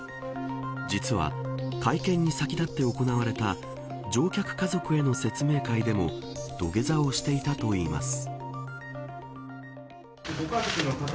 実は、会見に先立って行われた乗客家族への説明会でも土下座をしていたといいます。